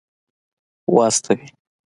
واستوي.